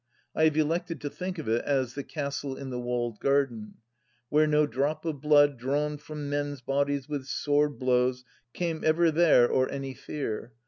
I have elected to think of it as the " castle in the walled garden ";—"... where no drop of blood Drawn from men's bodies with sword blows Came ever there, or any fear.